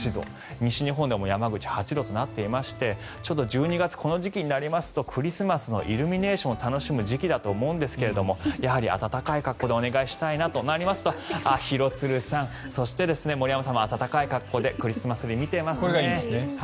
西日本でも山口、８度となっていましてちょっと１２月この時期になりますとクリスマスのイルミネーションを楽しむ時期だと思いますが暖かい格好でお願いしたいなとなりますと廣津留さん、そして森山さんも暖かい格好でクリスマスツリーを見ていますね。